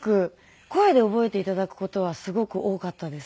声で覚えて頂く事はすごく多かったです。